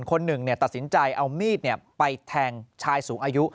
คนหนึ่งเนี่ยตัดสินใจเอามีดเนี่ยไปแทงชายสูงอายุ